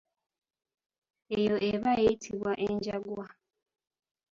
Eyo eba eyitibwa enjangwa.